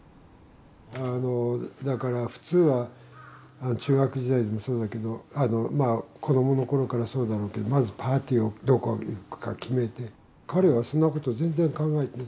あのだから普通は中学時代でもそうだけどまあ子どもの頃からそうだろうけどまずパーティーをどこに行くか決めて彼はそんなこと全然考えてない。